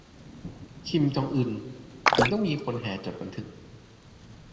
'คิมจองอึน' ถึงต้องมีคนแห่จดบันทึก